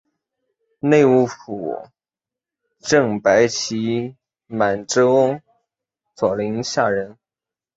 内务府正白旗满洲佐领下人。